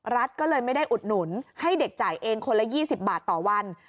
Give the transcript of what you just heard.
รัฐก็เลยไม่ได้อุดหนุนให้เด็กจ่ายเองคนละ๒๐บาทต่อวัน